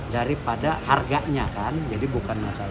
daripada harganya kan jadi bukan masalah